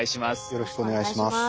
よろしくお願いします。